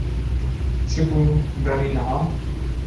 Çi bû berî niha?